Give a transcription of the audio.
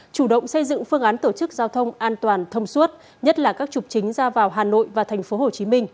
chủ động xây dựng phương án tổ chức giao thông an toàn thông suốt nhất là các trục chính ra vào hà nội và tp hcm